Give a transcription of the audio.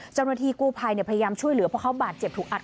เจ้าหน้าที่กู้ภัยพยายามช่วยเหลือเพราะเขาบาดเจ็บถูกอัด